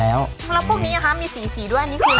แล้วพวกนี้มีสีด้วยอันนี้คืออะไร